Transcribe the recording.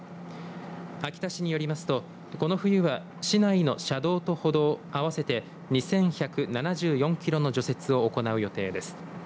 秋田市によりますとこの冬は市内の車道と歩道合わせて２１７４キロの除雪を行う予定です。